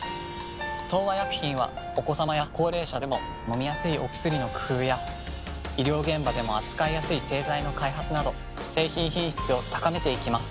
東和薬品はお子さまや高齢者でも飲みやすいお薬の工夫や医療現場でも扱いやすい製剤の開発など製品品質を高めていきます。